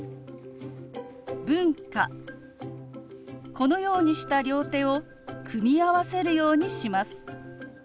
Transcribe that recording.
このようにした両手を組み合わせるようにします。